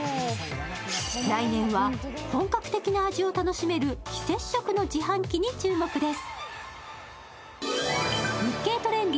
来年は本格的な味を楽しめる非接触の自販機に注目です。